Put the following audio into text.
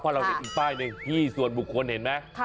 เพราะเราเห็นป้ายนี้ขี้สวนบุกคล้นเห็นไหม